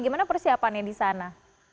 gimana persiapannya di sana